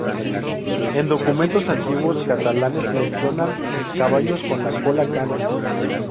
En documentos antiguos catalanes mencionan caballos con la "cola cana".